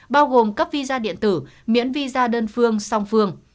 bao gồm cấp visa điện tử miễn visa đơn phương song phương